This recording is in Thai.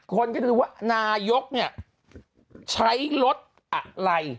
คนก็ดูว่านายกเนี่ยใช้รถอะไร